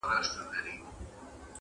چي هر څومره لوی موجونه پرې راتلله -